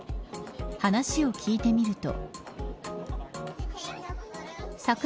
話を聞いてみると。